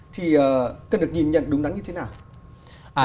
thì cần được nhìn nhận đúng đắn như thế nào